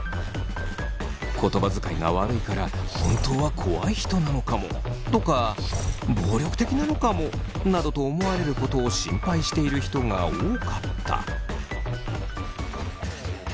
言葉遣いが悪いから本当は怖い人なのかもとか暴力的なのかもなどと思われることを心配している人が多かった。